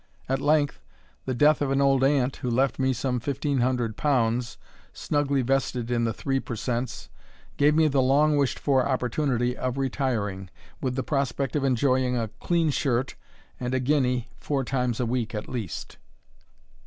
At length, the death of an old aunt, who left me some fifteen hundred pounds, snugly vested in the three per cents, gave me the long wished for opportunity of retiring, with the prospect of enjoying a clean shirt and a guinea four times a week at least.